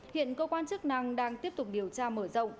hiện cơ quan chức năng đang tiếp tục điều tra mở rộng